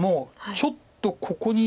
ちょっとここに。